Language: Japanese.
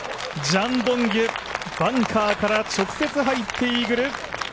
ジャン・ドンキュ、バンカーから直接入ってイーグル！